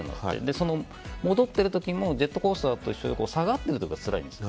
戻ってる時もジェットコースターと一緒で下がってる時はつらいんです。